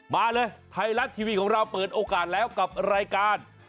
มาเลยไทยรัฐทีวีของเราเปิดโอกาสแล้วกับรายการ